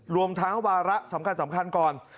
รวมทั้งวาระสำคัญก่อน